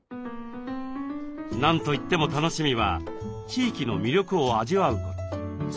何といっても楽しみは地域の魅力を味わうこと。